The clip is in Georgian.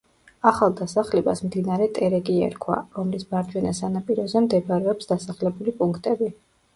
ახალ დასახლებას მდინარე ტერეკი ერქვა, რომლის მარჯვენა სანაპიროზე მდებარეობს დასახლებული პუნქტები.